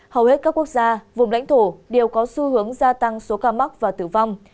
hầu hết các quốc gia vùng lãnh thổ đều có xu hướng gia tăng số ca mắc và tử vong